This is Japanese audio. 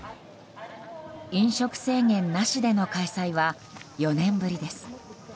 飲食制限なしでの開催は４年ぶりです。